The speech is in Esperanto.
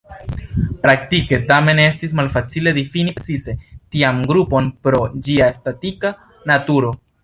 Praktike, tamen, estis malfacile difini precize tian grupon pro ĝia statika naturo.